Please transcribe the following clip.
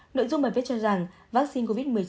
nội dung bài viết cho rằng vaccine covid một mươi chín